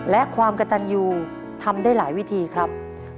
และความกระตันยูทำได้หลายวิธีครับ